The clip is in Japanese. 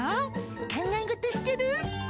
考え事してる？